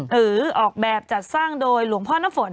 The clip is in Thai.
หรือออกแบบจัดสร้างโดยหลวงพ่อน้ำฝน